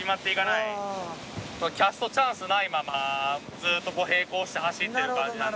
キャストチャンスないままずっと並行して走ってる感じなんで。